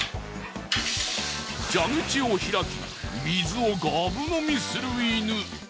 蛇口を開き水をがぶ飲みする犬。